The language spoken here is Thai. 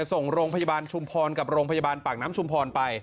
ส่งโรงพยาบาลชุมพรกับโรงพยาบาลปากน้ำชุมพรไป